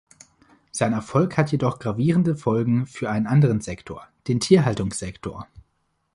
Sein Erfolg hat jedoch gravierende Folgen für einen anderen Sektor, den Tierhaltungssektor.